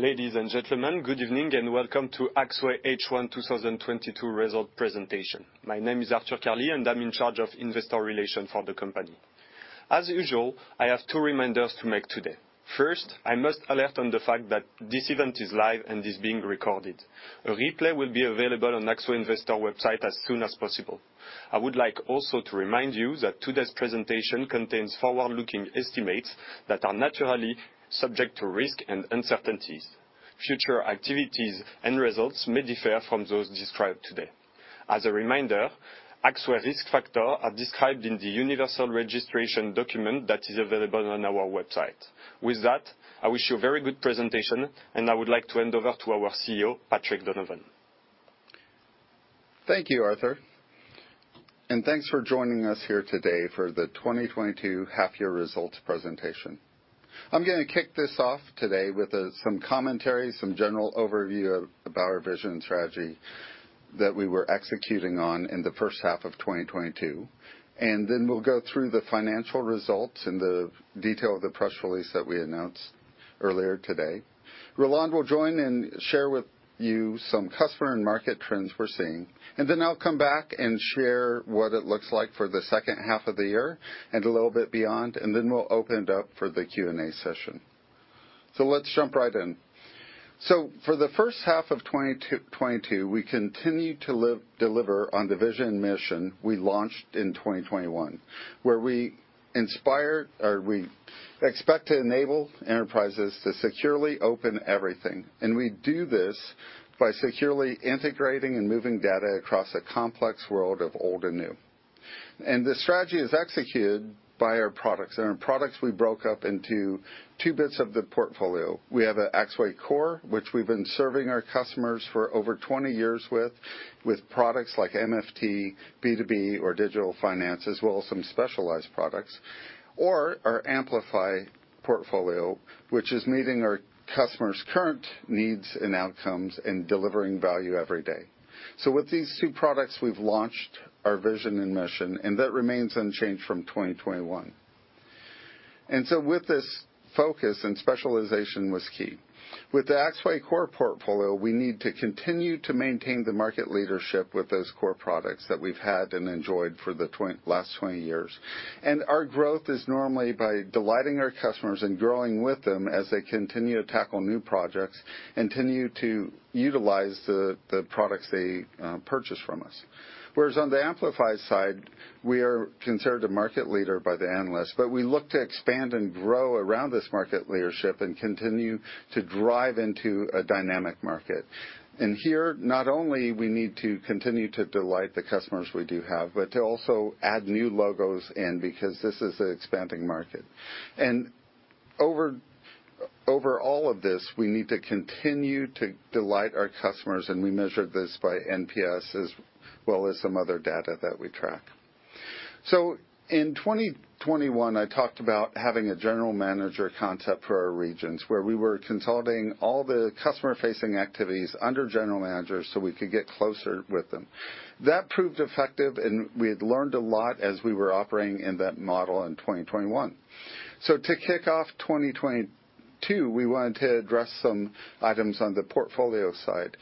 Ladies and gentlemen, good evening and welcome to Axway H1 2022 Result Presentation. My name is Arthur Carli, and I'm in charge of investor relations for the company. As usual, I have two reminders to make today. First, I must alert you to the fact that this event is live and is being recorded. A replay will be available on Axway investor website as soon as possible. I would like also to remind you that today's presentation contains forward-looking estimates that are naturally subject to risk and uncertainties. Future activities and results may differ from those described today. As a reminder, Axway risk factors are described in the universal registration document that is available on our website. With that, I wish you a very good presentation, and I would like to hand over to our CEO, Patrick Donovan. Thank you, Arthur. Thanks for joining us here today for the 2022 half year results presentation. I'm gonna kick this off today with some commentary, some general overview of our vision strategy that we were executing on in the first half of 2022. We'll go through the financial results and the detail of the press release that we announced earlier today. Roland will join and share with you some customer and market trends we're seeing. I'll come back and share what it looks like for the second half of the year and a little bit beyond. We'll open it up for the Q&A session. Let's jump right in. For the first half of 2022, we continued to deliver on the vision and mission we launched in 2021, where we aspire to enable enterprises to securely open everything. We do this by securely integrating and moving data across a complex world of old and new. The strategy is executed by our products. Our products we broke up into two parts of the portfolio. We have Axway Core, which we've been serving our customers for over 20 years with products like MFT, B2B and Digital Finance, as well as some specialized products and our Amplify portfolio, which is meeting our customers' current needs and outcomes and delivering value every day. With these two products, we've launched our vision and mission, and that remains unchanged from 2021. With this focus and specialization was key. With the Axway Core Portfolio, we need to continue to maintain the market leadership with those core products that we've had and enjoyed for the last twenty years. Our growth is normally by delighting our customers and growing with them as they continue to tackle new projects, continue to utilize the products they purchase from us. Whereas on the Amplify side, we are considered a market leader by the analysts, but we look to expand and grow around this market leadership and continue to drive into a dynamic market. Here, not only we need to continue to delight the customers we do have, but to also add new logos in because this is an expanding market. Over all of this, we need to continue to delight our customers, and we measure this by NPS as well as some other data that we track. In 2021, I talked about having a general manager concept for our regions, where we were consolidating all the customer-facing activities under general managers, so we could get closer with them. That proved effective, and we had learned a lot as we were operating in that model in 2021. To kick off 2022, we wanted to address some items on the portfolio side.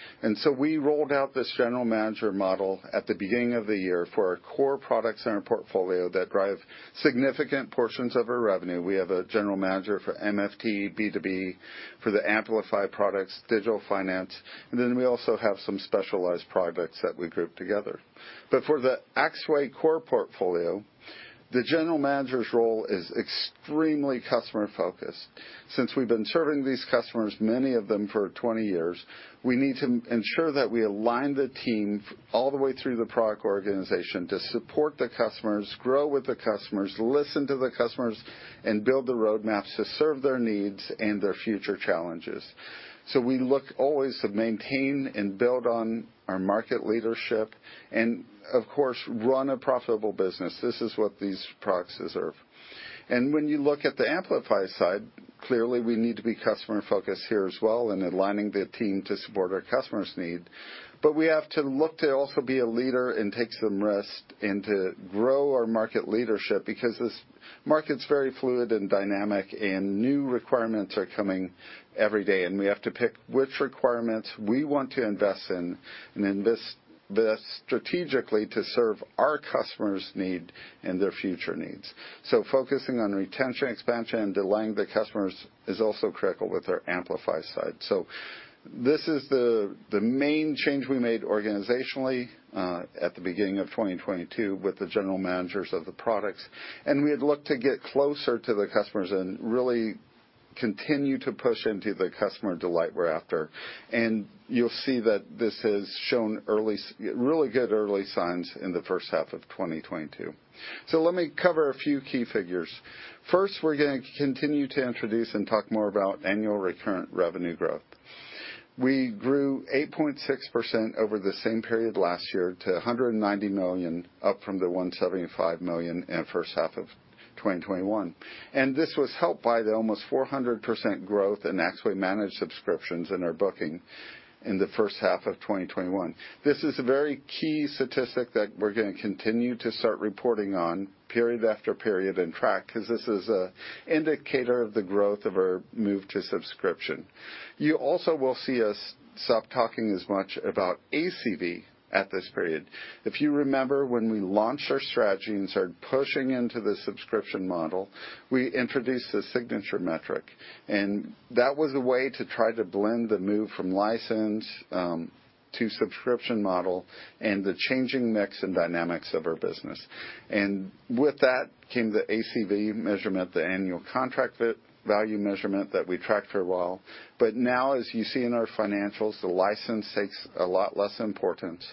We rolled out this general manager model at the beginning of the year for our core products in our portfolio that drive significant portions of our revenue. We have a general manager for MFT, B2B, for the Amplify products, digital finance, and then we also have some specialized products that we group together. For the Axway Core portfolio, the general manager's role is extremely customer-focused. Since we've been serving these customers, many of them for 20 years, we need to ensure that we align the team all the way through the product organization to support the customers, grow with the customers, listen to the customers, and build the roadmaps to serve their needs and their future challenges. We look always to maintain and build on our market leadership and of course, run a profitable business. This is what these products deserve. When you look at the Amplify side, clearly, we need to be customer-focused here as well in aligning the team to support our customers' need. We have to look to also be a leader and take some risks and to grow our market leadership because this market's very fluid and dynamic, and new requirements are coming every day, and we have to pick which requirements we want to invest in and invest this strategically to serve our customers' need and their future needs. Focusing on retention, expansion, and delighting the customers is also critical with our Amplify side. This is the main change we made organizationally at the beginning of 2022 with the general managers of the products. We had looked to get closer to the customers and really continue to push into the customer delight we're after. You'll see that this has shown really good early signs in the first half of 2022. Let me cover a few key figures. First, we're gonna continue to introduce and talk more about annual recurring revenue growth. We grew 8.6% over the same period last year to 190 million, up from 175 million in the first half of 2021. This was helped by the almost 400% growth in Axway Managed subscriptions in our bookings in the first half of 2021. This is a very key statistic that we're gonna continue to start reporting on period after period and track, 'cause this is an indicator of the growth of our move to subscription. You also will see us stop talking as much about ACV at this period. If you remember, when we launched our strategy and started pushing into the subscription model, we introduced a signature metric. That was a way to try to blend the move from license, to subscription model and the changing mix and dynamics of our business. With that, came the ACV measurement, the annual contract value measurement that we tracked for a while. Now, as you see in our financials, the license takes a lot less importance,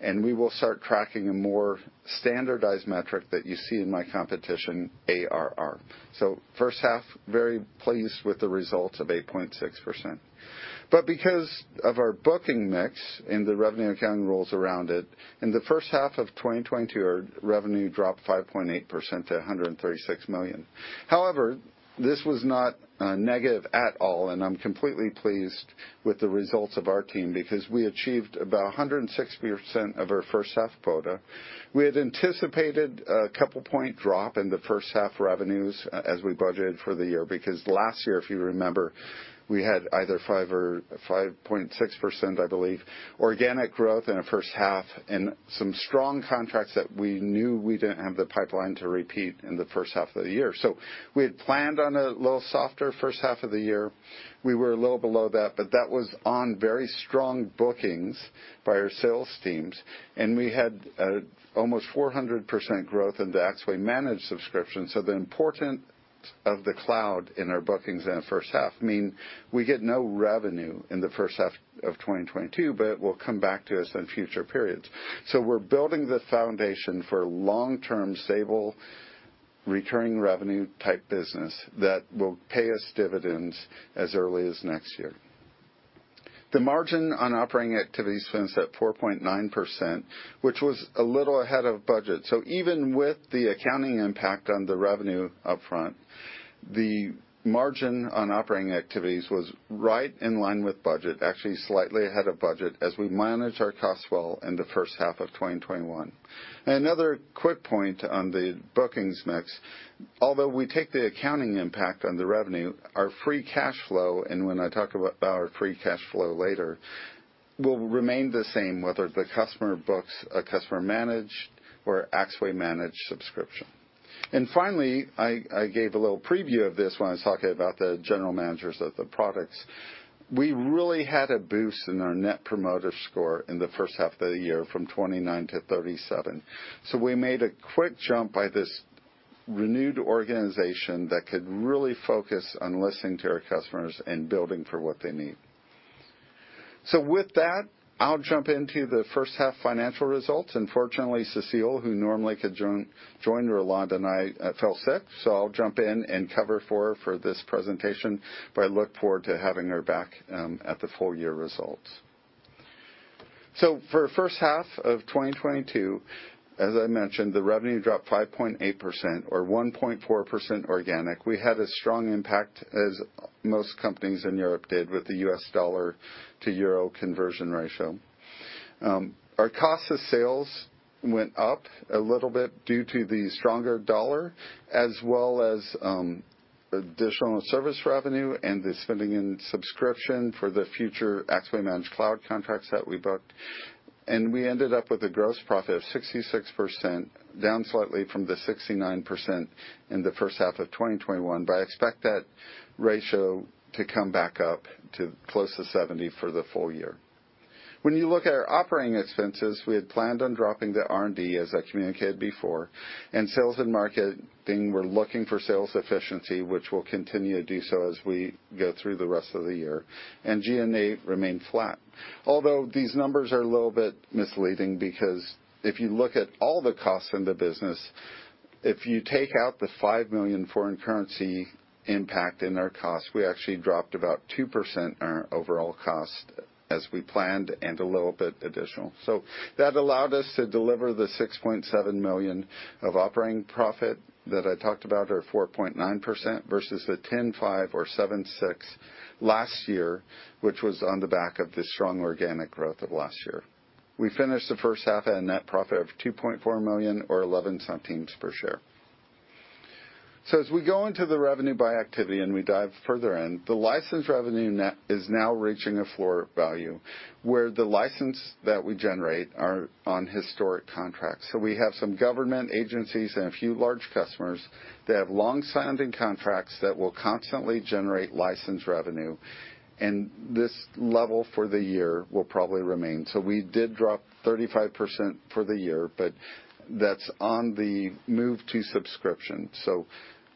and we will start tracking a more standardized metric that you see in my competition, ARR. First half, very pleased with the results of 8.6%. Because of our booking mix and the revenue accounting rules around it, in the first half of 2022, our revenue dropped 5.8% to 136 million. However, this was not negative at all, and I'm completely pleased with the results of our team because we achieved about 160% of our first half quota. We had anticipated a 2-point drop in the first half revenues as we budgeted for the year because last year, if you remember, we had either 5% or 5.6%, I believe, organic growth in our first half and some strong contracts that we knew we didn't have the pipeline to repeat in the first half of the year. We had planned on a little softer first half of the year. We were a little below that, but that was on very strong bookings by our sales teams, and we had almost 400% growth in the Axway Managed subscription. The importance of the cloud in our bookings in the first half mean we get no revenue in the first half of 2022, but it will come back to us in future periods. We're building the foundation for long-term, stable, returning revenue type business that will pay us dividends as early as next year. The margin on operating activities finished at 4.9%, which was a little ahead of budget. Even with the accounting impact on the revenue upfront, the margin on operating activities was right in line with budget, actually slightly ahead of budget as we managed our costs well in the first half of 2021. Another quick point on the bookings mix. Although we take the accounting impact on the revenue, our free cash flow, and when I talk about our free cash flow later, will remain the same whether the customer books a customer-managed or Axway Managed subscription. Finally, I gave a little preview of this when I was talking about the general managers of the products. We really had a boost in our Net Promoter Score in the first half of the year from 29 to 37. We made a quick jump by this renewed organization that could really focus on listening to our customers and building for what they need. With that, I'll jump into the first half financial results. Unfortunately, Cecile, who normally could join Roland and I, fell sick, so I'll jump in and cover for her for this presentation, but I look forward to having her back at the full year results. For first half of 2022, as I mentioned, the revenue dropped 5.8% or 1.4% organic. We had a strong impact as most companies in Europe did with the U.S. dollar to euro conversion ratio. Our cost of sales went up a little bit due to the stronger dollar, as well as additional service revenue and the spending in subscription for the future Axway Managed cloud contracts that we booked. We ended up with a gross profit of 66%, down slightly from the 69% in the first half of 2021. I expect that ratio to come back up to close to 70 for the full year. When you look at our operating expenses, we had planned on dropping the R&D, as I communicated before, and sales and marketing, we're looking for sales efficiency, which we'll continue to do so as we go through the rest of the year. G&A remained flat. Although these numbers are a little bit misleading because if you look at all the costs in the business, if you take out the 5 million foreign currency impact in our cost, we actually dropped about 2% in our overall cost as we planned and a little bit additional. That allowed us to deliver the 6.7 million of operating profit that I talked about or 4.9% versus the 10.5% or 7.6% last year, which was on the back of the strong organic growth of last year. We finished the first half at a net profit of 2.4 million or 0.11 per share. As we go into the revenue by activity and we dive further in, the license revenue net is now reaching a floor value, where the license that we generate are on historic contracts. We have some government agencies and a few large customers that have long-standing contracts that will constantly generate license revenue, and this level for the year will probably remain. We did drop 35% for the year, but that's on the move to subscription.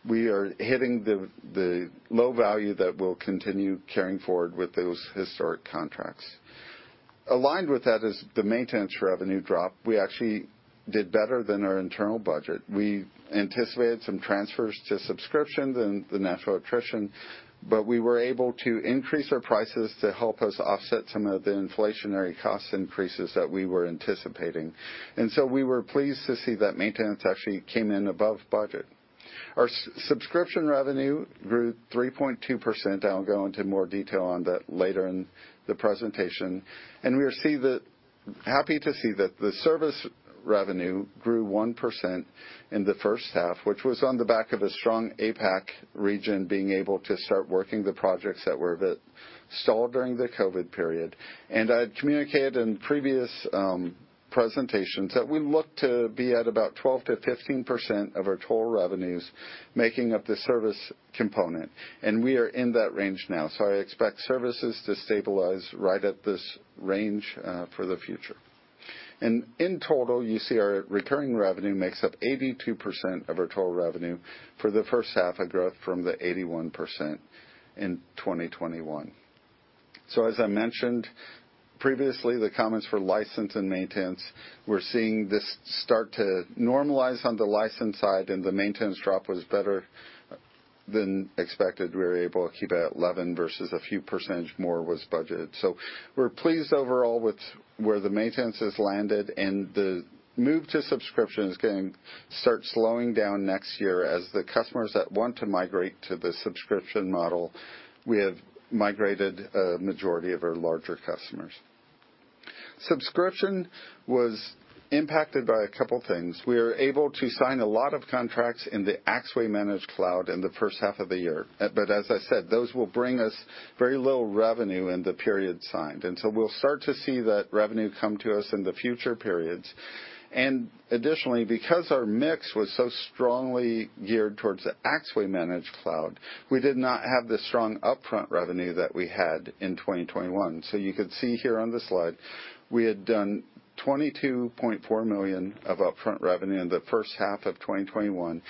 We are hitting the low value that we'll continue carrying forward with those historic contracts. Aligned with that is the maintenance revenue drop. We actually did better than our internal budget. We anticipated some transfers to subscriptions and the natural attrition, but we were able to increase our prices to help us offset some of the inflationary cost increases that we were anticipating. We were pleased to see that maintenance actually came in above budget. Our subscription revenue grew 3.2%. I'll go into more detail on that later in the presentation. We are happy to see that the service revenue grew 1% in the first half, which was on the back of a strong APAC region being able to start working the projects that were a bit stalled during the COVID period. I had communicated in previous presentations that we look to be at about 12%-15% of our total revenues making up the service component, and we are in that range now. I expect services to stabilize right at this range for the future. In total, you see our recurring revenue makes up 82% of our total revenue for the first half, a growth from the 81% in 2021. As I mentioned previously, the comments for license and maintenance, we're seeing this start to normalize on the license side, and the maintenance drop was better than expected. We were able to keep it at 11% versus a few percentage more was budgeted. We're pleased overall with where the maintenance has landed and the move to subscription is gonna start slowing down next year as the customers that want to migrate to the subscription model, we have migrated a majority of our larger customers. Subscription was impacted by a couple things. We were able to sign a lot of contracts in the Axway-managed cloud in the first half of the year. As I said, those will bring us very little revenue in the period signed. We'll start to see that revenue come to us in the future periods. Additionally, because our mix was so strongly geared towards the Axway-managed cloud, we did not have the strong upfront revenue that we had in 2021. You could see here on this slide, we had done 22.4 million of upfront revenue in the first half of 2021.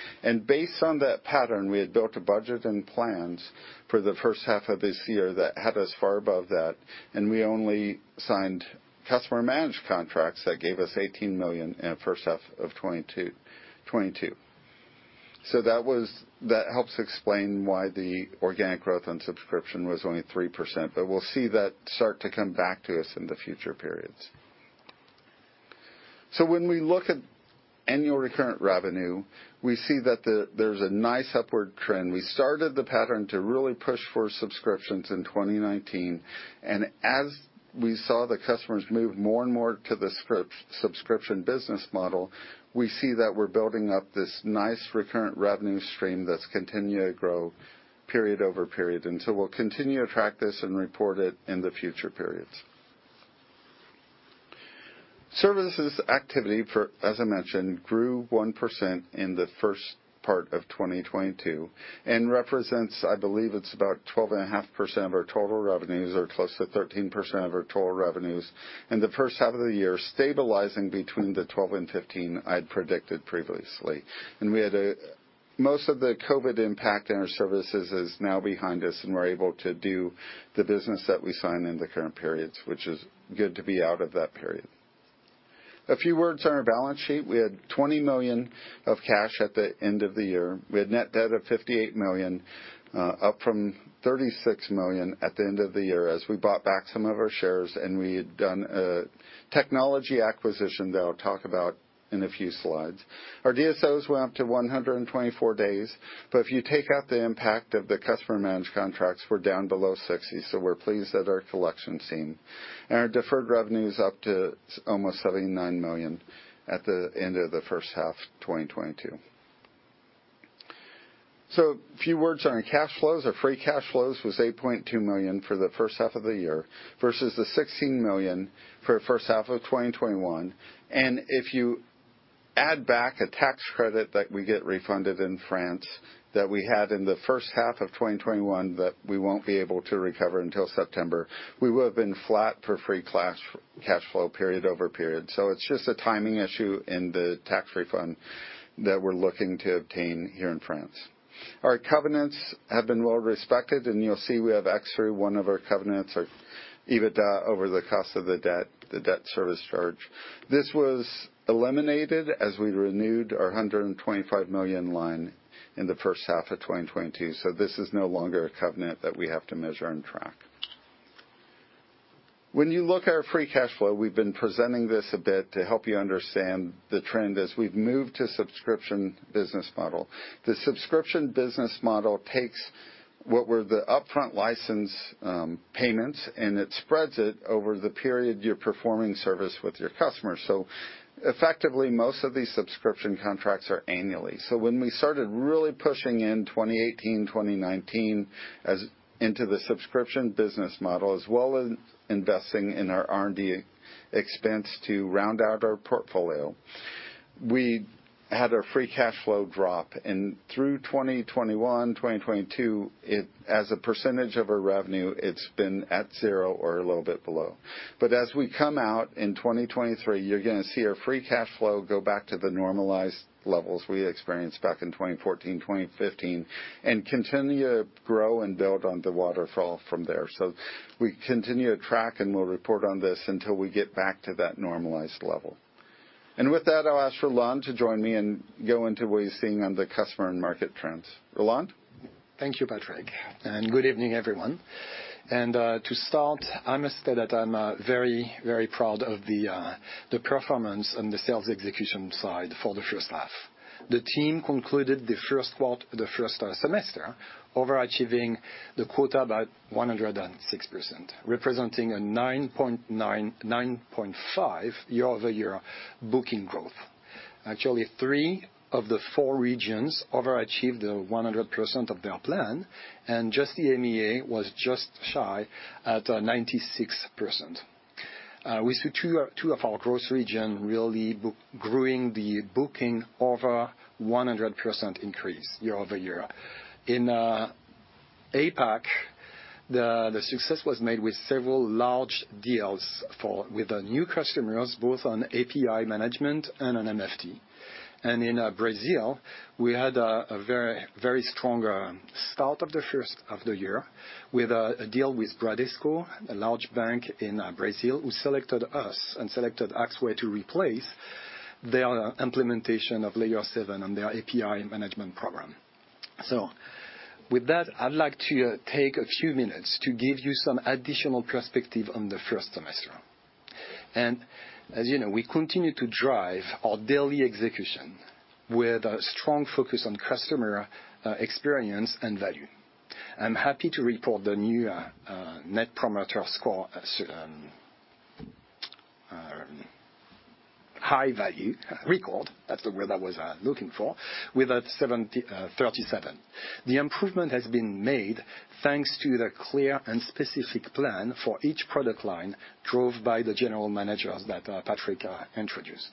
Based on that pattern, we had built a budget and plans for the first half of this year that had us far above that, and we only signed customer managed contracts that gave us 18 million in first half of 2022. That helps explain why the organic growth on subscription was only 3%. We'll see that start to come back to us in the future periods. When we look at annual recurring revenue, we see that there's a nice upward trend. We started the pattern to really push for subscriptions in 2019, and as we saw the customers move more and more to the subscription business model, we see that we're building up this nice recurring revenue stream that's continued to grow period over period. We'll continue to track this and report it in the future periods. Services activity, as I mentioned, grew 1% in the first part of 2022 and represents, I believe it's about 12.5% of our total revenues or close to 13% of our total revenues in the first half of the year, stabilizing between the 12%-15% I'd predicted previously. We had most of the COVID impact in our services is now behind us, and we're able to do the business that we sign in the current periods, which is good to be out of that period. A few words on our balance sheet. We had 20 million of cash at the end of the year. We had net debt of 58 million, up from 36 million at the end of the year as we bought back some of our shares and we had done a technology acquisition that I'll talk about in a few slides. Our DSOs went up to 124 days, but if you take out the impact of the customer managed contracts, we're down below 60. We're pleased at our collection team. Our deferred revenue is up to almost 79 million at the end of the first half, 2022. A few words on our cash flows. Our free cash flow was 8.2 million for the first half of the year versus 16 million for first half of 2021. If you add back a tax credit that we get refunded in France that we had in the first half of 2021 that we won't be able to recover until September, we would've been flat for free cash flow period over period. It's just a timing issue in the tax refund that we're looking to obtain here in France. Our covenants have been well-respected, and you'll see we have headroom through one of our covenants, our EBITDA over the cost of the debt, the debt service charge. This was eliminated as we renewed our 125 million line in the first half of 2022. This is no longer a covenant that we have to measure and track. When you look at our free cash flow, we've been presenting this a bit to help you understand the trend as we've moved to subscription business model. The subscription business model takes what were the upfront license payments, and it spreads it over the period you're performing service with your customers. Effectively, most of these subscription contracts are annually. When we started really pushing in 2018, 2019 and into the subscription business model, as well as investing in our R&D expense to round out our portfolio, we had our free cash flow drop. Through 2021, 2022, it, as a percentage of our revenue, it's been at 0% or a little bit below. As we come out in 2023, you're gonna see our free cash flow go back to the normalized levels we experienced back in 2014, 2015 and continue to grow and build on the waterfall from there. We continue to track, and we'll report on this until we get back to that normalized level. With that, I'll ask Roland to join me and go into what he's seeing on the customer and market trends. Roland? Thank you, Patrick, and good evening, everyone. To start, I must say that I'm very, very proud of the performance on the sales execution side for the first half. The team concluded the first semester overachieving the quota by 106%, representing a 9.5 year-over-year booking growth. Actually, three of the four regions overachieved the 100% of their plan, and just the EMEA was just shy at 96%. We see two of our growth regions really growing the booking over 100% increase year-over-year. In APAC, the success was made with several large deals with the new customers, both on API management and on MFT. In Brazil, we had a very strong start of the first half of the year with a deal with Bradesco, a large bank in Brazil, who selected us and selected Axway to replace their implementation of Layer7 on their API management program. With that, I'd like to take a few minutes to give you some additional perspective on the first semester. As you know, we continue to drive our daily execution with a strong focus on customer experience and value. I'm happy to report the new Net Promoter Score high value record, that's the word I was looking for, with a 73. The improvement has been made thanks to the clear and specific plan for each product line drove by the general managers that Patrick introduced.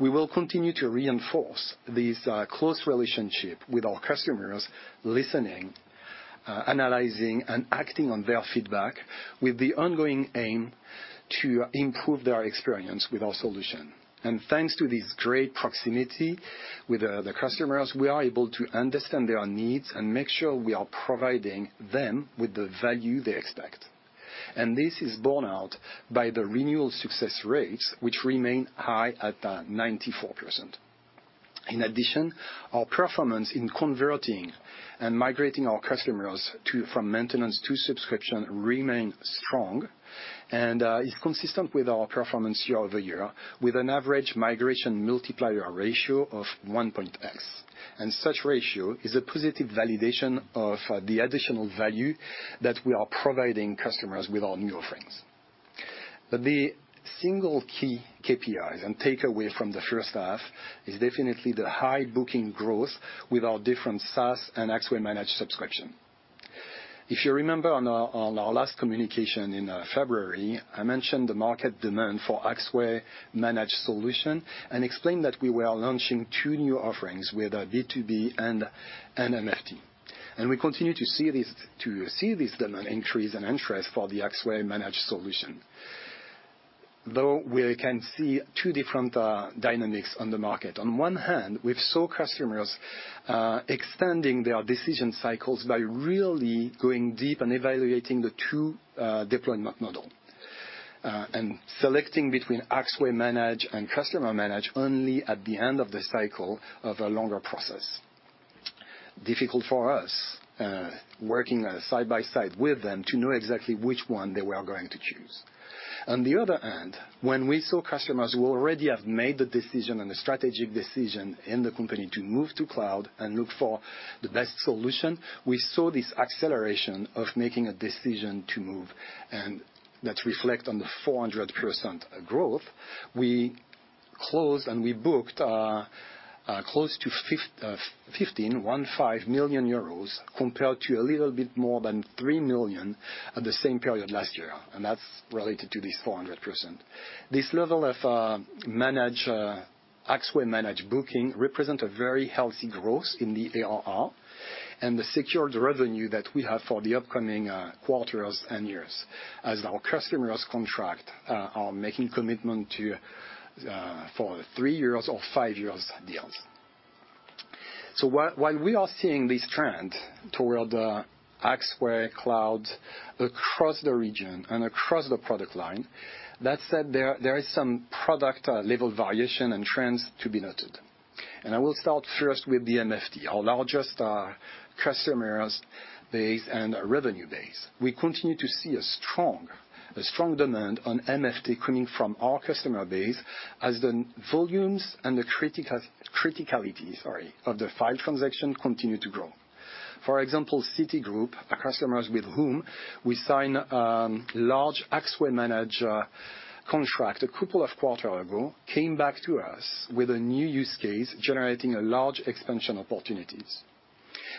We will continue to reinforce this close relationship with our customers, listening, analyzing and acting on their feedback with the ongoing aim to improve their experience with our solution. Thanks to this great proximity with the customers, we are able to understand their needs and make sure we are providing them with the value they expect. This is borne out by the renewal success rates, which remain high at 94%. In addition, our performance in converting and migrating our customers from maintenance to subscription remain strong and is consistent with our performance year-over-year with an average migration multiplier ratio of 1.x. Such ratio is a positive validation of the additional value that we are providing customers with our new offerings. The single key KPIs and takeaway from the first half is definitely the high booking growth with our different SaaS and Axway Managed subscription. If you remember on our last communication in February, I mentioned the market demand for Axway Managed solution and explained that we were launching two new offerings with our B2B and an MFT. We continue to see this demand increase and interest for the Axway Managed solution, though we can see two different dynamics on the market. On one hand, we've saw customers extending their decision cycles by really going deep and evaluating the two deployment model and selecting between Axway manage and customer manage only at the end of the cycle of a longer process. Difficult for us, working side by side with them to know exactly which one they were going to choose. On the other hand, when we saw customers who already have made the decision and a strategic decision in the company to move to cloud and look for the best solution, we saw this acceleration of making a decision to move. That reflect on the 400% growth. We closed and we booked close to 15 million euros compared to a little bit more than 3 million EUR at the same period last year. That's related to this 400%. This level of Axway Managed booking represent a very healthy growth in the ARR and the secured revenue that we have for the upcoming quarters and years as our customers are making commitments to for 3 years or 5 years deals. While we are seeing this trend toward the Axway cloud across the region and across the product line, that said, there is some product level variation and trends to be noted. I will start first with the MFT, our largest customer base and revenue base. We continue to see a strong demand on MFT coming from our customer base as the volumes and the criticality of the file transaction continue to grow. For example, Citigroup, a customer with whom we signed a large Axway Managed contract a couple of quarters ago, came back to us with a new use case generating a large expansion opportunities.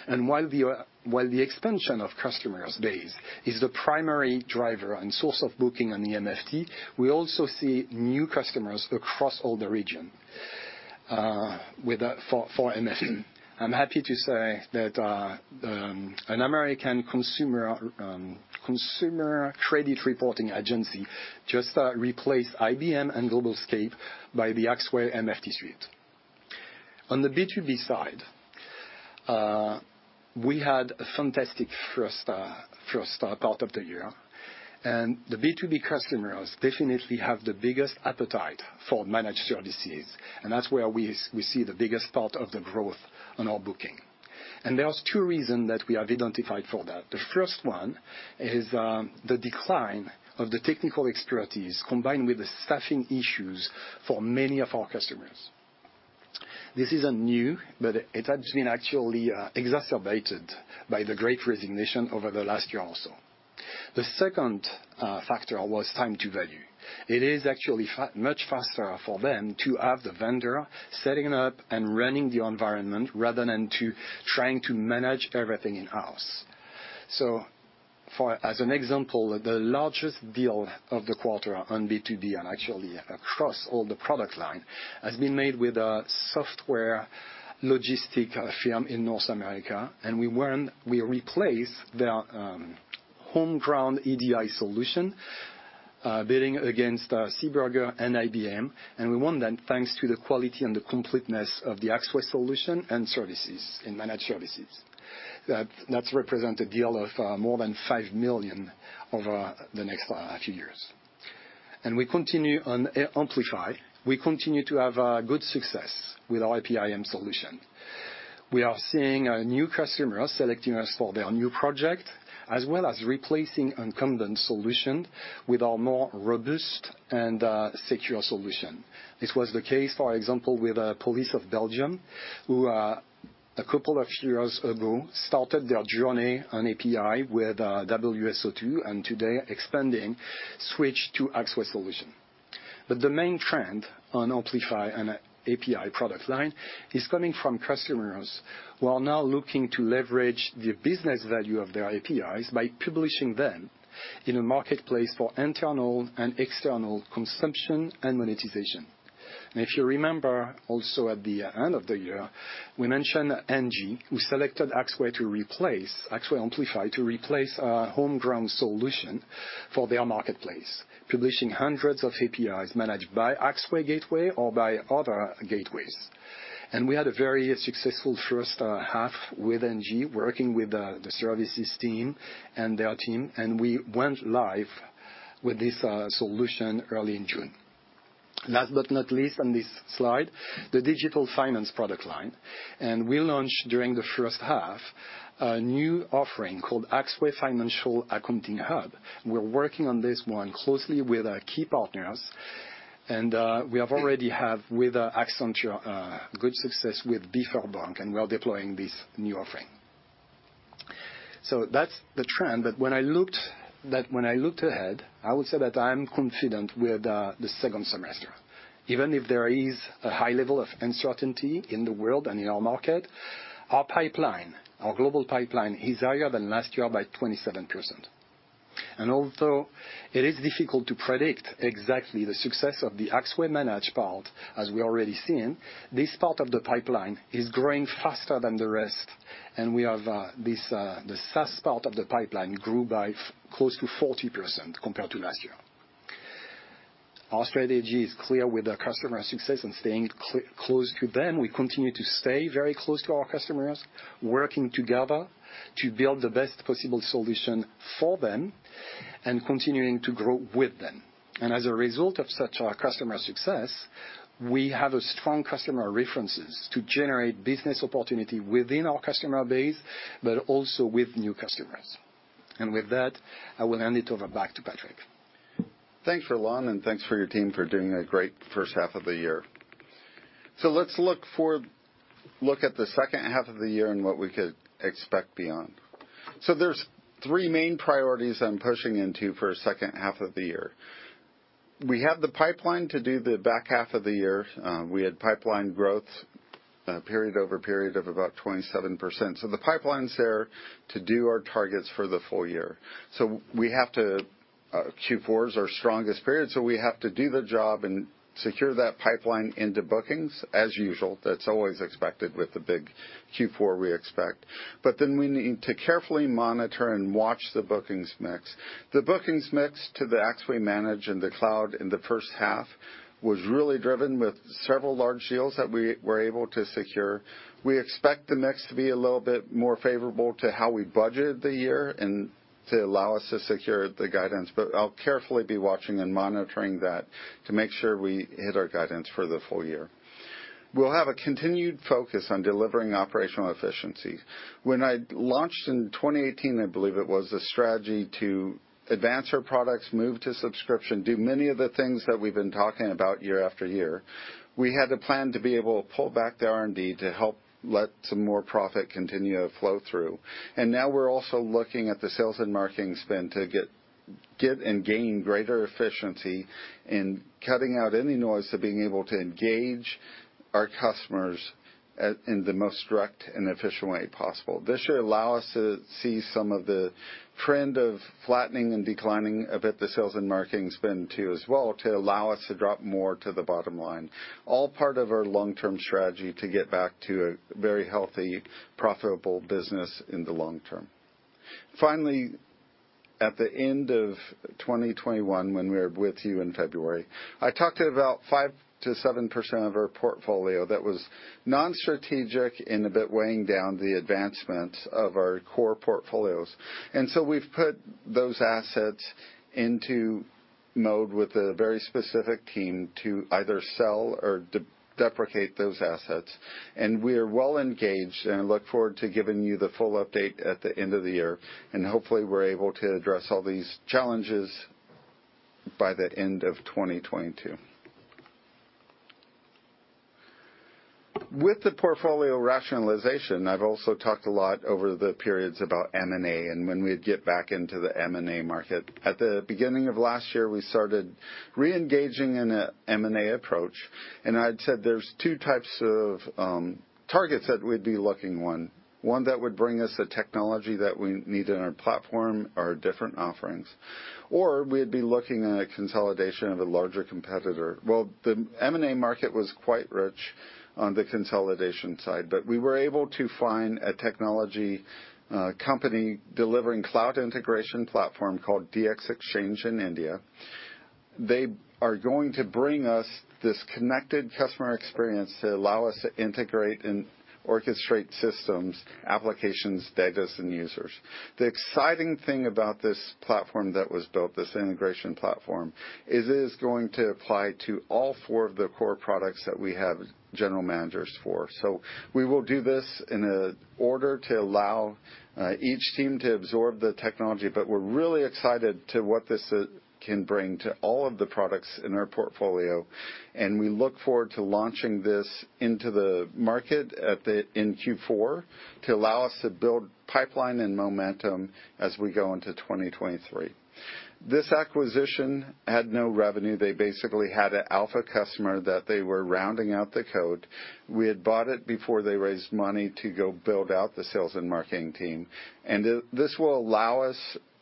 While the expansion of customer base is the primary driver and source of booking on the MFT, we also see new customers across all the region for MFT. I'm happy to say that an American consumer credit reporting agency just replaced IBM and GlobalScape with the Axway MFT Suite. On the B2B side, we had a fantastic first part of the year. The B2B customers definitely have the biggest appetite for managed services, and that's where we see the biggest part of the growth on our booking. There are two reasons that we have identified for that. The first one is the decline of the technical expertise combined with the staffing issues for many of our customers. This isn't new, but it has been actually exacerbated by the great resignation over the last year or so. The second factor was time to value. It is actually much faster for them to have the vendor setting up and running the environment rather than to trying to manage everything in-house. As an example, the largest deal of the quarter on B2B and actually across all the product line has been made with a software logistic firm in North America, and we won. We replaced their home-grown EDI solution, bidding against SEEBURGER and IBM, and we won that thanks to the quality and the completeness of the Axway solution and services in managed services. That represents a deal of more than 5 million over the next few years. We continue on Amplify. We continue to have good success with our APIM solution. We are seeing new customers selecting us for their new project as well as replacing incumbent solution with our more robust and secure solution. This was the case, for example, with Federal Police of Belgium, who a couple of years ago started their journey on API with WSO2, and today expanding switch to Axway solution. The main trend on Amplify and API product line is coming from customers who are now looking to leverage the business value of their APIs by publishing them in a marketplace for internal and external consumption and monetization. If you remember also at the end of the year, we mentioned ENGIE, who selected Axway Amplify to replace a home-grown solution for their marketplace, publishing hundreds of APIs managed by Axway Gateway or by other gateways. We had a very successful first half with ENGIE, working with the services team and their team, and we went live with this solution early in June. Last but not least on this slide, the digital finance product line. We launched during the first half a new offering called Axway Financial Accounting Hub. We're working on this one closely with our key partners, and we already have with Accenture good success with BforBank, and we are deploying this new offering. That's the trend, but when I look at that. When I looked ahead, I would say that I am confident with the second semester. Even if there is a high level of uncertainty in the world and in our market, our pipeline, our global pipeline is higher than last year by 27%. Although it is difficult to predict exactly the success of the Axway Managed part, as we already seen, this part of the pipeline is growing faster than the rest, and we have this, the SaaS part of the pipeline grew by close to 40% compared to last year. Our strategy is clear with the customer success and staying close to them. We continue to stay very close to our customers, working together to build the best possible solution for them and continuing to grow with them. As a result of such a customer success, we have a strong customer references to generate business opportunity within our customer base but also with new customers. With that, I will hand it over back to Patrick. Thanks, Roland, and thanks for your team for doing a great first half of the year. Let's look at the second half of the year and what we could expect beyond. There's three main priorities I'm pushing into for a second half of the year. We have the pipeline to do the back half of the year. We had pipeline growth period-over-period of about 27%. The pipeline's there to do our targets for the full year. Q4 is our strongest period, so we have to do the job and secure that pipeline into bookings as usual. That's always expected with the big Q4 we expect. Then we need to carefully monitor and watch the bookings mix. The bookings mix to the Axway Managed in the cloud in the first half was really driven with several large deals that we were able to secure. We expect the mix to be a little bit more favorable to how we budgeted the year and to allow us to secure the guidance, but I'll carefully be watching and monitoring that to make sure we hit our guidance for the full year. We'll have a continued focus on delivering operational efficiency. When I launched in 2018, I believe it was, a strategy to advance our products, move to subscription, do many of the things that we've been talking about year after year, we had the plan to be able to pull back the R&D to help let some more profit continue to flow through. Now we're also looking at the sales and marketing spend to get and gain greater efficiency in cutting out any noise to being able to engage our customers at, in the most direct and efficient way possible. This should allow us to see some of the trend of flattening and declining a bit the sales and marketing spend too as well to allow us to drop more to the bottom line. All part of our long-term strategy to get back to a very healthy, profitable business in the long term. Finally, at the end of 2021, when we were with you in February, I talked about 5%-7% of our portfolio that was non-strategic and a bit weighing down the advancement of our core portfolios. We've put those assets into mode with a very specific team to either sell or deprecate those assets. We're well engaged, and I look forward to giving you the full update at the end of the year. Hopefully, we're able to address all these challenges by the end of 2022. With the portfolio rationalization, I've also talked a lot over the periods about M&A, and when we'd get back into the M&A market. At the beginning of last year, we started re-engaging in an M&A approach, and I'd said there's two types of targets that we'd be looking on. One that would bring us the technology that we need in our platform or different offerings. Or we'd be looking at a consolidation of a larger competitor. Well, the M&A market was quite rich on the consolidation side, but we were able to find a technology company delivering cloud integration platform called DX Exchange in India. They are going to bring us this connected customer experience to allow us to integrate and orchestrate systems, applications, data, and users. The exciting thing about this platform that was built, this integration platform, is it is going to apply to all four of the core products that we have general managers for. We will do this in order to allow each team to absorb the technology, but we're really excited to what this can bring to all of the products in our portfolio, and we look forward to launching this into the market in Q4 to allow us to build pipeline and momentum as we go into 2023. This acquisition had no revenue. They basically had an alpha customer that they were rounding out the code. We had bought it before they raised money to go build out the sales and marketing team. This will allow us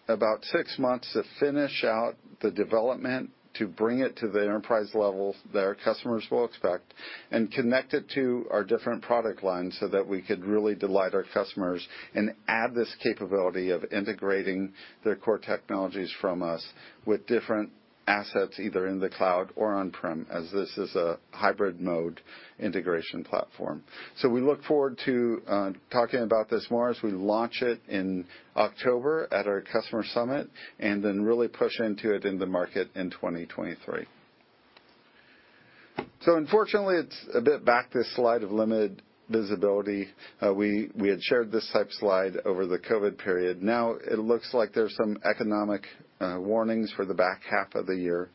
about six months to finish out the development. To bring it to the enterprise levels that our customers will expect, and connect it to our different product lines so that we could really delight our customers and add this capability of integrating their core technologies from us with different assets, either in the cloud or on-prem, as this is a hybrid mode integration platform. We look forward to talking about this more as we launch it in October at our customer summit, and then really push into it in the market in 2023. Unfortunately, it's a bit back, this slide of limited visibility. We had shared this type slide over the COVID period. Now it looks like there's some economic warnings for the back half of the year,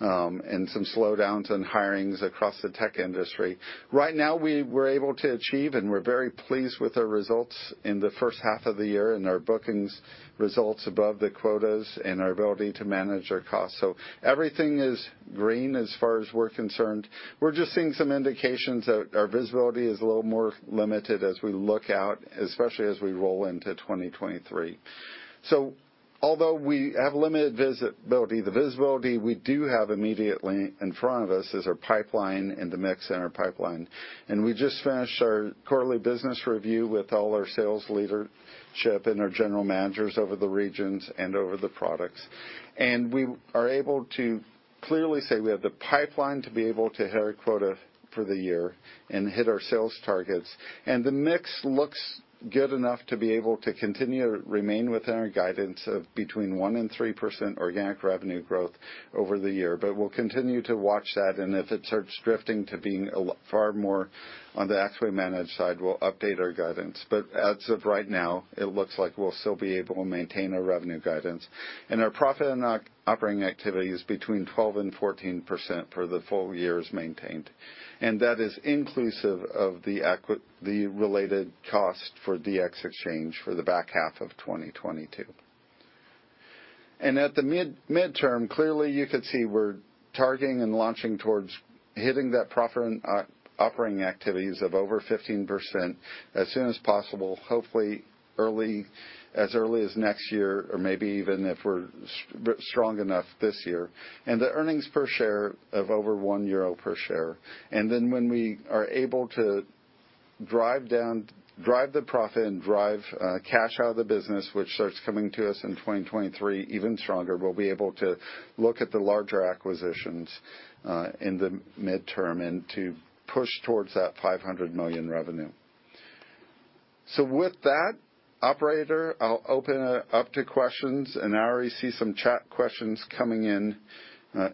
and some slowdowns in hirings across the tech industry. Right now, we were able to achieve, and we're very pleased with our results in the first half of the year and our bookings results above the quotas and our ability to manage our costs. Everything is green as far as we're concerned. We're just seeing some indications that our visibility is a little more limited as we look out, especially as we roll into 2023. Although we have limited visibility, the visibility we do have immediately in front of us is our pipeline and the mix in our pipeline. We just finished our quarterly business review with all our sales leadership and our general managers over the regions and over the products. We are able to clearly say we have the pipeline to be able to hit our quota for the year and hit our sales targets. The mix looks good enough to be able to continue to remain within our guidance of between 1% and 3% organic revenue growth over the year. We'll continue to watch that, and if it starts drifting to being far more on the Axway Managed side, we'll update our guidance. As of right now, it looks like we'll still be able to maintain our revenue guidance. Our profit and operating activity is between 12% and 14% for the full year is maintained. That is inclusive of the related cost for DX Exchange for the back half of 2022. At the midterm, clearly you could see we're targeting and launching towards hitting that profit and operating activities of over 15% as soon as possible, hopefully early, as early as next year or maybe even if we're strong enough this year. The earnings per share of over 1 euro per share. Then when we are able to drive the profit and drive cash out of the business, which starts coming to us in 2023 even stronger, we'll be able to look at the larger acquisitions in the midterm and to push towards that 500 million revenue. With that, operator, I'll open it up to questions, and I already see some chat questions coming in,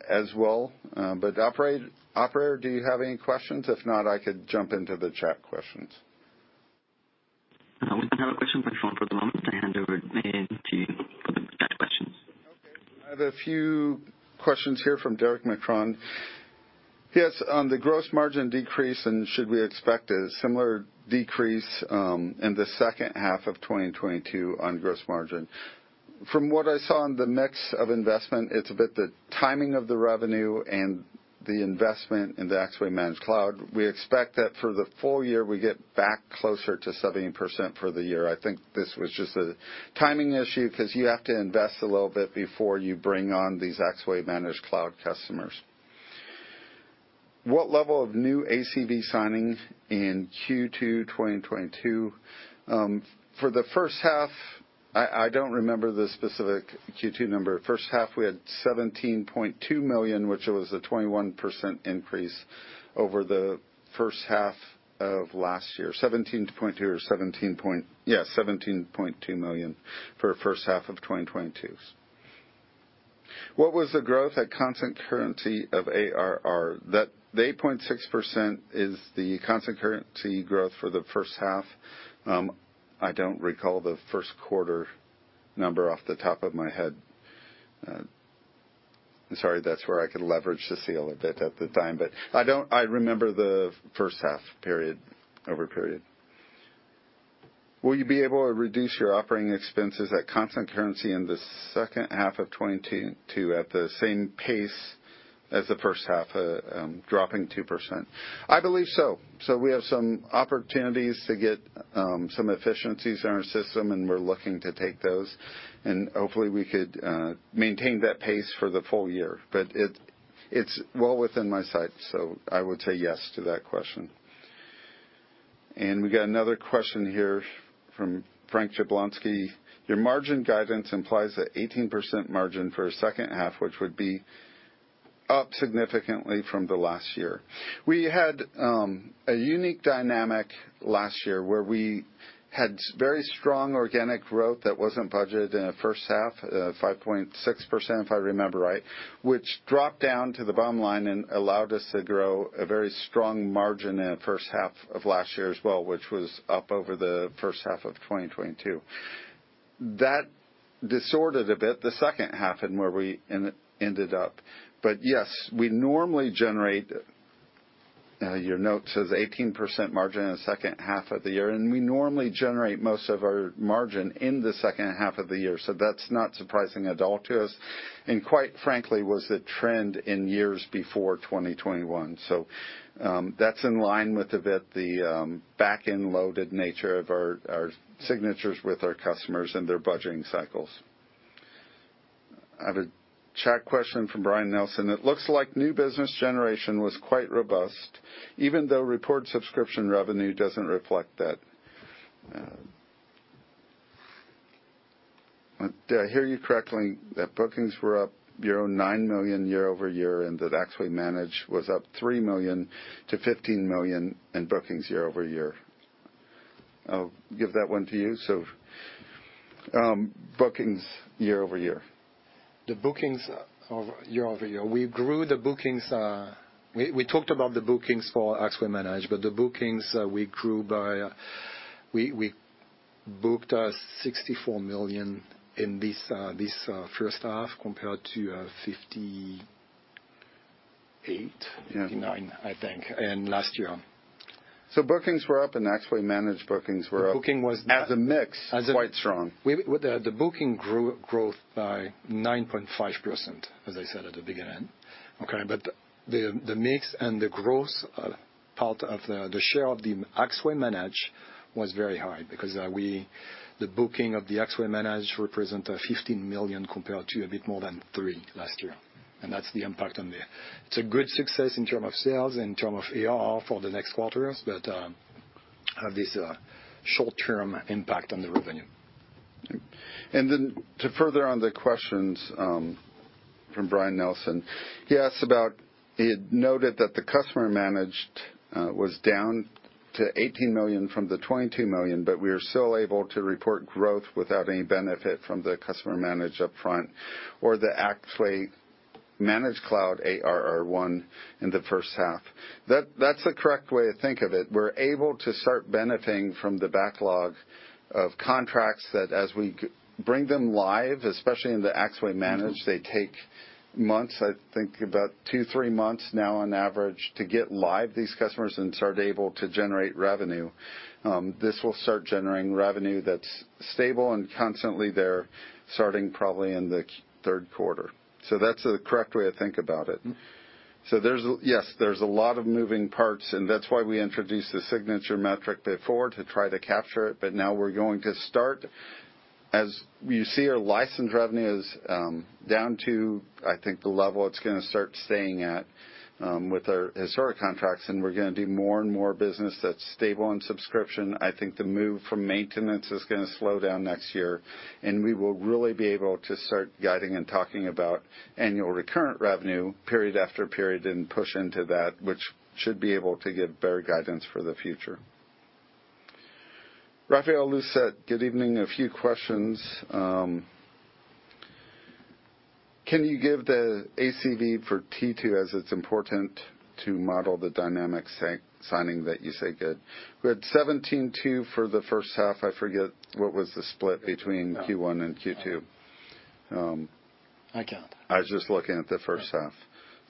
as well. Operator, do you have any questions? If not, I could jump into the chat questions. We don't have a question by phone for the moment. I hand over, Neil, to you for the chat questions. Okay. I have a few questions here from Derric Marcon. Yes, on the gross margin decrease, and should we expect a similar decrease in the second half of 2022 on gross margin? From what I saw in the mix of investment, it's a bit the timing of the revenue and the investment in the Axway Managed Cloud. We expect that for the full year, we get back closer to 17% for the year. I think this was just a timing issue because you have to invest a little bit before you bring on these Axway Managed Cloud customers. What level of new ACV signing in Q2 2022? For the first half, I don't remember the specific Q2 number. First half, we had 17.2 million, which was a 21% increase over the first half of last year. 17.2 million for first half of 2022. What was the growth at constant currency of ARR? That the 8.6% is the constant currency growth for the first half. I don't recall the first quarter number off the top of my head. I'm sorry, that's where I could leverage Cecile a bit at the time, but I don't. I remember the first half period, over period. Will you be able to reduce your operating expenses at constant currency in the second half of 2022 at the same pace as the first half, dropping 2%? I believe so. We have some opportunities to get some efficiencies in our system, and we're looking to take those, and hopefully we could maintain that pace for the full year. It, it's well within my sight. I would say yes to that question. We got another question here from Frank Jablonski. Your margin guidance implies that 18% margin for a second half, which would be up significantly from the last year. We had a unique dynamic last year where we had very strong organic growth that wasn't budgeted in the first half, 5.6%, if I remember right, which dropped down to the bottom line and allowed us to grow a very strong margin in the first half of last year as well, which was up over the first half of 2022. That was a bit disordered, the second half and where we ended up. Yes, we normally generate your note says 18% margin in the second half of the year, and we normally generate most of our margin in the second half of the year. That's not surprising at all to us, and quite frankly, was the trend in years before 2021. That's in line with the back-end loaded nature of our signatures with our customers and their budgeting cycles. I have a chat question from Brian Nelson. It looks like new business generation was quite robust, even though reported subscription revenue doesn't reflect that. Did I hear you correctly that bookings were up euro 9 million year-over-year and that Axway Managed was up 3 million to 15 million in bookings year-over-year? I'll give that one to you. Bookings year over year. The bookings year-over-year, we grew the bookings. We talked about the bookings for Axway Manage, but the bookings, we grew by. We booked 64 million in this first half compared to 58- Yeah. 59, I think, in last year. Bookings were up, and Axway Managed bookings were up. The booking was. As a mix, quite strong. The booking growth by 9.5%, as I said at the beginning. Okay, but the mix and the growth, part of the share of the Axway Managed was very high because the booking of the Axway Managed represent 15 million compared to a bit more than 3 million last year. That's the impact on the revenue. It's a good success in terms of sales, in terms of ARR for the next quarters, but this short-term impact on the revenue. To follow up on the questions from Brian Nelson, he had noted that the customer managed was down to 18 million from the 22 million, but we are still able to report growth without any benefit from the customer managed up front or the Axway Managed Cloud ARR one in the first half. That's the correct way to think of it. We're able to start benefiting from the backlog of contracts that, as we bring them live, especially in the Axway Managed, they take months, I think about 2, 3 months now on average, to get these customers live and start able to generate revenue. This will start generating revenue that's stable and constantly there, starting probably in the third quarter. That's the correct way to think of it. Mm-hmm. There's a lot of moving parts, and that's why we introduced the signing metric before to try to capture it. Now we're going to start. As you see, our license revenue is down to, I think, the level it's gonna start staying at with our historic contracts, and we're gonna do more and more business that's stable in subscription. I think the move from maintenance is gonna slow down next year, and we will really be able to start guiding and talking about Annual Recurring Revenue period after period and push into that, which should be able to give better guidance for the future. Raphaël Lucet, good evening. A few questions. Can you give the ACV for T2 as it's important to model the dynamic signing that you say is good? We had 17.2 for the first half. I forget what was the split between Q1 and Q2. I count. I was just looking at the first half,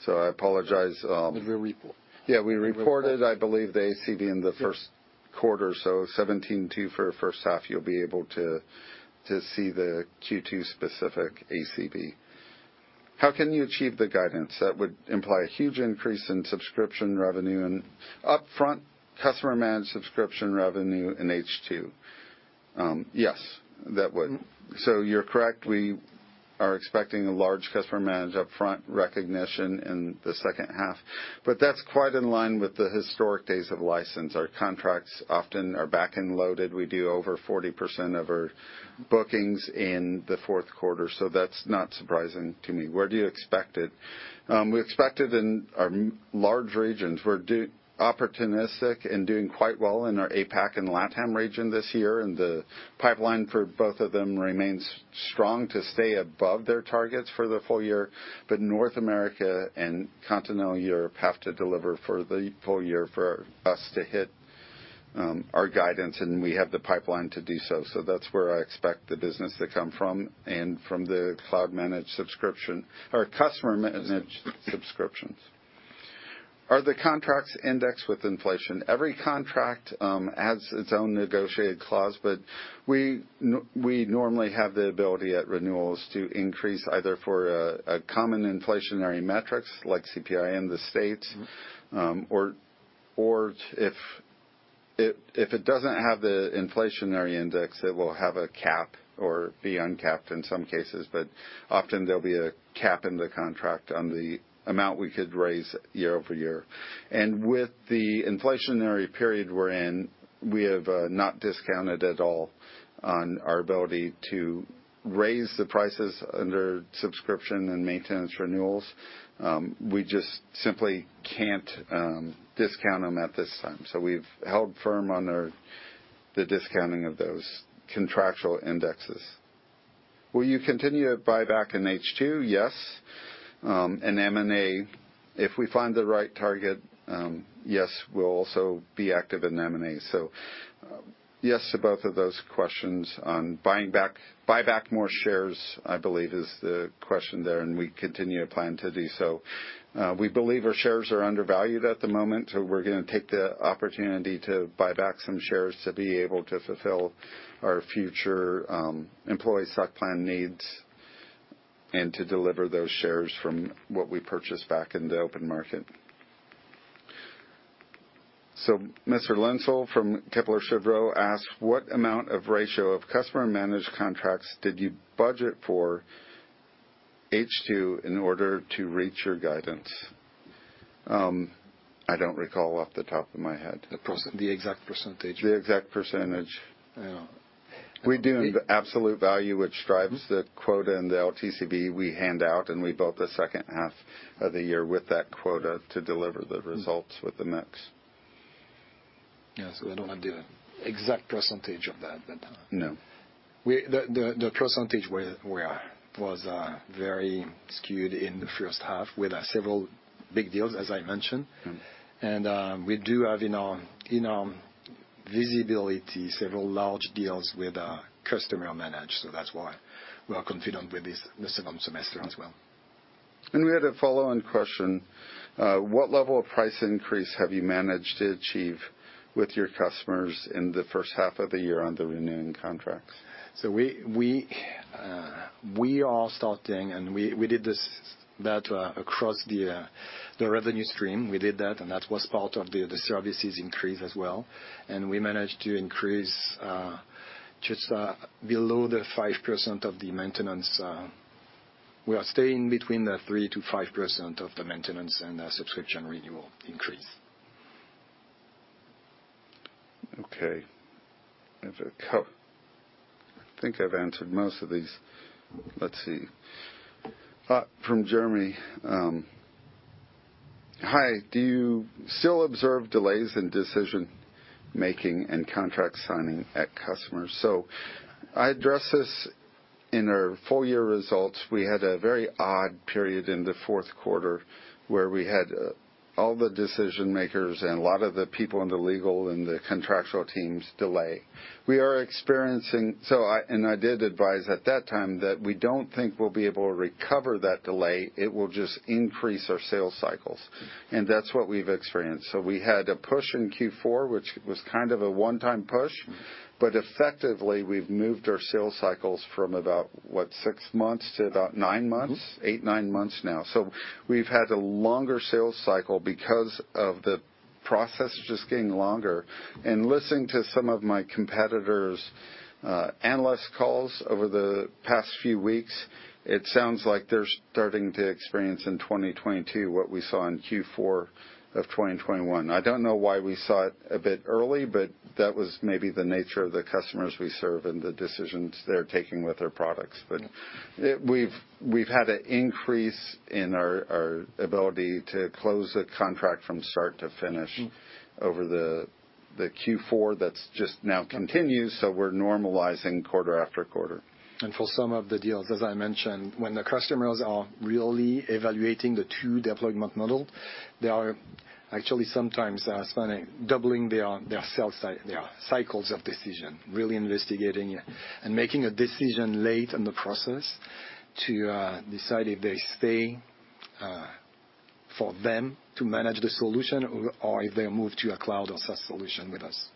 so I apologize. With your report. Yeah, we reported, I believe, the ACV in the first quarter, so 17.2 for first half. You'll be able to see the Q2 specific ACV. How can you achieve the guidance? That would imply a huge increase in subscription revenue and upfront customer managed subscription revenue in H2. Yes, that would. You're correct. We are expecting a large customer managed upfront recognition in the second half. That's quite in line with the historical deal size of licenses. Our contracts often are back-end loaded. We do over 40% of our bookings in the fourth quarter, that's not surprising to me. Where do you expect it? We expect it in our large regions. We're opportunistic and doing quite well in our APAC and LATAM region this year, and the pipeline for both of them remains strong to stay above their targets for the full year. North America and Continental Europe have to deliver for the full year for us to hit our guidance, and we have the pipeline to do so. That's where I expect the business to come from, and from the cloud-managed subscription or customer-managed subscriptions. Are the contracts indexed with inflation? Every contract adds its own negotiated clause, but we normally have the ability at renewals to increase either for a common inflationary metrics like CPI in the States, or if it doesn't have the inflationary index, it will have a cap or be uncapped in some cases, but often there'll be a cap in the contract on the amount we could raise year-over-year. With the inflationary period we're in, we have not discounted at all on our ability to raise the prices under subscription and maintenance renewals. We just simply can't discount them at this time. We've held firm on the discounting of those contractual indexes. Will you continue to buy back in H2? Yes. In M&A, if we find the right target, yes, we'll also be active in M&A. Yes to both of those questions. On buying back, buy back more shares, I believe is the question there, and we continue to plan to do so. We believe our shares are undervalued at the moment, so we're gonna take the opportunity to buy back some shares to be able to fulfill our future, employee stock plan needs and to deliver those shares from what we purchased back in the open market. Mr. Linsel from Kepler Cheuvreux asks, "What amount of ratio of customer managed contracts did you budget for H2 in order to reach your guidance?" I don't recall off the top of my head. The exact percentage. The exact percentage. Yeah. We do the absolute value which drives the quota and the LTCV we hand out, and we built the second half of the year with that quota to deliver the results with the mix. Yeah. I don't have the exact percentage of that, but. No. The percentage we are was very skewed in the first half with several big deals, as I mentioned. Mm-hmm. We do have in our visibility several large deals with our customer management. That's why we are confident with this, the second semester as well. We had a follow-on question. What level of price increase have you managed to achieve with your customers in the first half of the year on the renewing contracts? We are starting and we did this that across the revenue stream. We did that, and that was part of the services increase as well. We managed to increase just below 5% of the maintenance. We are staying between 3%-5% of the maintenance and subscription renewal increase. Okay. I think I've answered most of these. Let's see. From Jeremy. Hi, do you still observe delays in decision-making and contract signing at customers? I addressed this in our full year results. We had a very odd period in the fourth quarter, where we had all the decision makers and a lot of the people in the legal and the contractual teams delay. I did advise at that time that we don't think we'll be able to recover that delay. It will just increase our sales cycles. That's what we've experienced. We had a push in Q4, which was kind of a one-time push. Effectively, we've moved our sales cycles from about, what, 6 months to about 9 months. 8, 9 months now. We've had a longer sales cycle because of the process just getting longer. Listening to some of my competitors' analyst calls over the past few weeks, it sounds like they're starting to experience in 2022 what we saw in Q4 of 2021. I don't know why we saw it a bit early, but that was maybe the nature of the customers we serve and the decisions they're taking with their products. We've had an increase in our ability to close a contract from start to finish. Mm. Over the Q4 that's just now concluded, so we're normalizing quarter after quarter. For some of the deals, as I mentioned, when the customers are really evaluating the two deployment models, they are actually sometimes spending, doubling their sales cycles of decision, really investigating and making a decision late in the process to decide if they stay for them to manage the solution or if they move to a cloud or SaaS solution with us.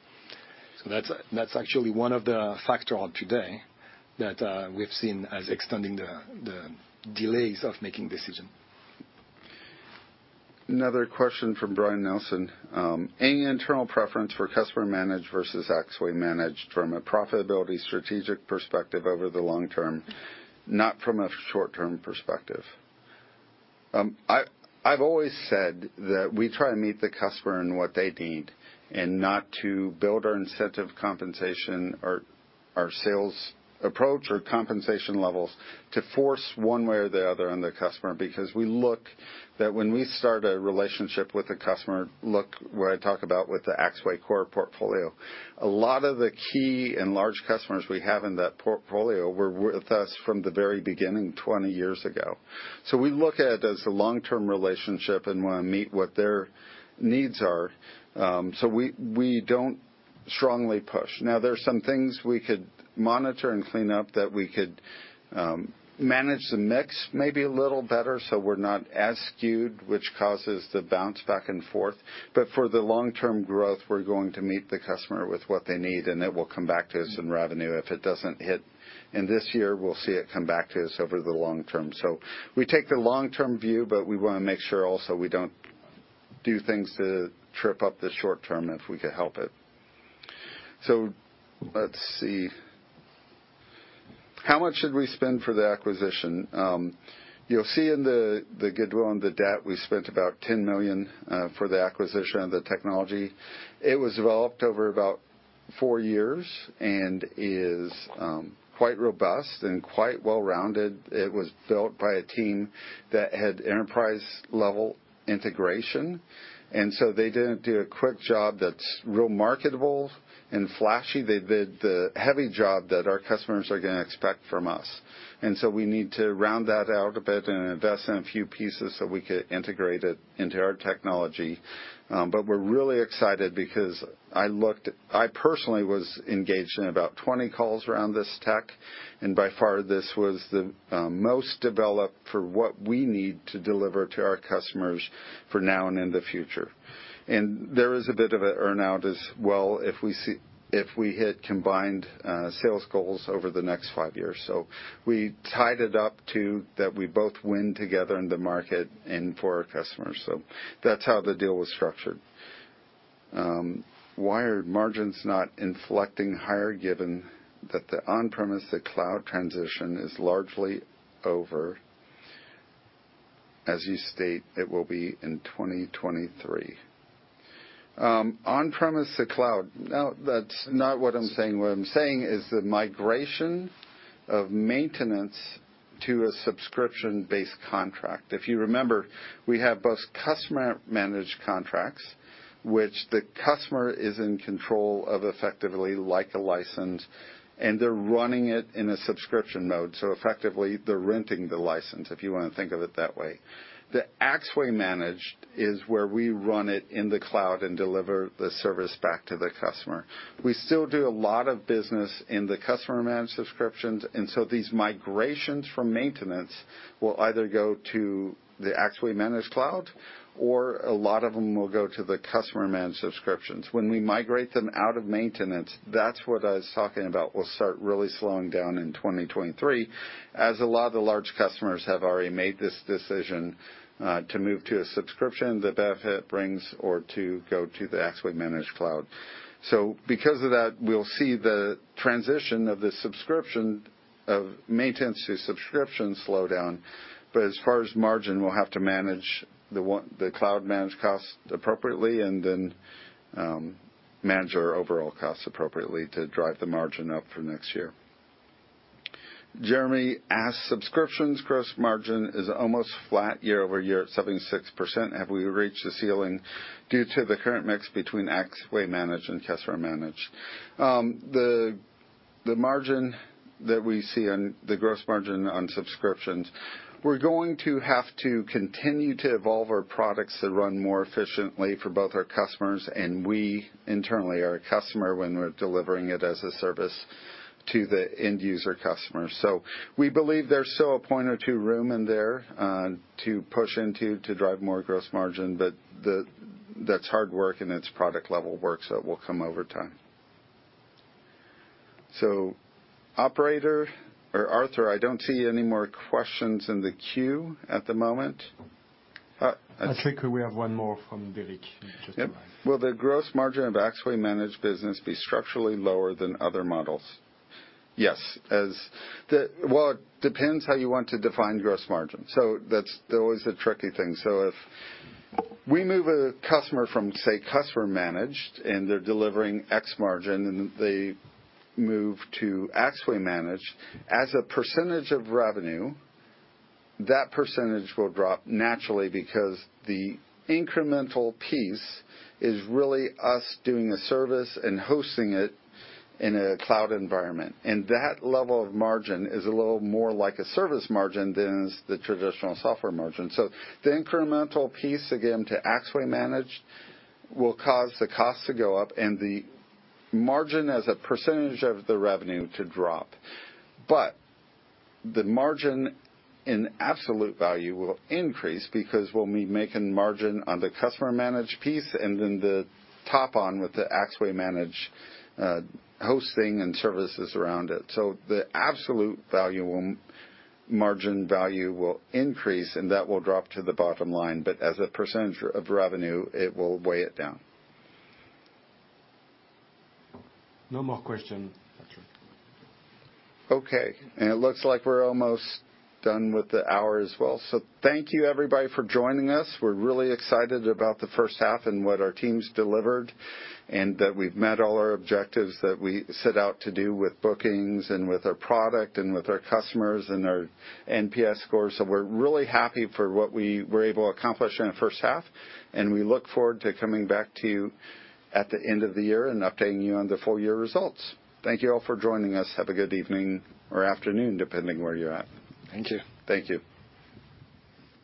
That's actually one of the factor of today that we've seen as extending the delays of making decision. Another question from Brian Nelson. Any internal preference for customer managed versus Axway Managed from a profitability strategic perspective over the long term, not from a short-term perspective? I've always said that we try and meet the customer in what they need and not to build our incentive compensation or our sales approach or compensation levels to force one way or the other on the customer, because we look at that when we start a relationship with a customer, look where I talk about with the Axway core portfolio. A lot of the key and large customers we have in that portfolio were with us from the very beginning, 20 years ago. We look at it as a long-term relationship and wanna meet what their needs are. We don't strongly push. Now, there are some things we could monitor and clean up that we could manage the mix maybe a little better, so we're not as skewed, which causes the bounce back and forth. For the long-term growth, we're going to meet the customer with what they need, and it will come back to us in revenue. If it doesn't hit in this year, we'll see it come back to us over the long term. We take the long-term view, but we wanna make sure also we don't do things to trip up the short term, if we could help it. Let's see. How much did we spend for the acquisition? You'll see in the goodwill and the debt, we spent about 10 million for the acquisition and the technology. It was developed over about four years and is quite robust and quite well-rounded. It was built by a team that had enterprise-level integration, and so they didn't do a quick job that's really marketable and flashy. They did the heavy job that our customers are gonna expect from us. We need to round that out a bit and invest in a few pieces so we could integrate it into our technology. We're really excited because I personally was engaged in about 20 calls around this tech, and by far, this was the most developed for what we need to deliver to our customers for now and in the future. There is a bit of an earn-out as well if we hit combined sales goals over the next five years. We tied it up to that we both win together in the market and for our customers. That's how the deal was structured. Why are margins not inflecting higher, given that the on-premise to cloud transition is largely over, as you state it will be in 2023? On-premise to cloud. No, that's not what I'm saying. What I'm saying is the migration of maintenance to a subscription-based contract. If you remember, we have both customer-managed contracts, which the customer is in control of effectively like a license, and they're running it in a subscription mode, so effectively they're renting the license, if you wanna think of it that way. The Axway Managed is where we run it in the cloud and deliver the service back to the customer. We still do a lot of business in the customer-managed subscriptions, and so these migrations from maintenance will either go to the Axway Managed cloud, or a lot of them will go to the customer-managed subscriptions. When we migrate them out of maintenance, that's what I was talking about will start really slowing down in 2023, as a lot of the large customers have already made this decision, to move to a subscription, the benefit brings or to go to the Axway Managed cloud. Because of that, we'll see the transition of the subscription of maintenance to subscription slow down. As far as margin, we'll have to manage the cloud managed cost appropriately and then, manage our overall costs appropriately to drive the margin up for next year. Jeremy asks, subscriptions gross margin is almost flat year-over-year at 76%. Have we reached the ceiling due to the current mix between Axway Managed and customer managed? The margin that we see on the gross margin on subscriptions, we're going to have to continue to evolve our products to run more efficiently for both our customers and we internally are a customer when we're delivering it as a service to the end user customer. We believe there's still a point or two room in there to push into to drive more gross margin, but that's hard work and it's product level work, so it will come over time. Operator or Arthur, I don't see any more questions in the queue at the moment. Patrick, we have one more from Derek. Just arrived. Yep. Will the gross margin of Axway Managed business be structurally lower than other models? Yes. Well, it depends how you want to define gross margin. That's always a tricky thing. If we move a customer from, say, customer managed, and they're delivering X margin, and they move to Axway Managed, as a percentage of revenue, that percentage will drop naturally because the incremental piece is really us doing a service and hosting it in a cloud environment. That level of margin is a little more like a service margin than is the traditional software margin. The incremental piece, again, to Axway Managed will cause the cost to go up and the margin as a percentage of the revenue to drop. The margin in absolute value will increase because we'll be making margin on the customer-managed piece and then the add-on with the Axway Managed Hosting & Services around it. The margin value will increase, and that will drop to the bottom line, but as a percentage of revenue, it will weigh it down. No more questions, Patrick. Okay. It looks like we're almost done with the hour as well. Thank you everybody for joining us. We're really excited about the first half and what our teams delivered and that we've met all our objectives that we set out to do with bookings and with our product and with our customers and our NPS scores. We're really happy for what we were able to accomplish in our first half, and we look forward to coming back to you at the end of the year and updating you on the full year results. Thank you all for joining us. Have a good evening or afternoon, depending where you're at. Thank you. Thank you.